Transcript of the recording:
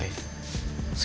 kenapa gak ada kejahatan